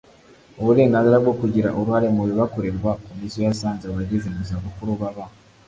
uburenganzira bwo kugira uruhare mu bibakorerwa komisiyo yasanze abageze mu zabukuru baba